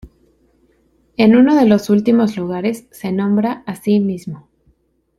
En uno de los últimos lugares se nombra a sí mismo.